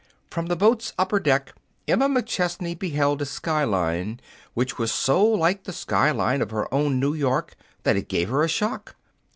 From the boat's upper deck, Emma McChesney beheld a sky line which was so like the sky line of her own New York that it gave her a shock.